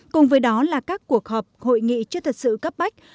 cùng với đó là các cuộc họp hội nghị chưa thật sự cấp bách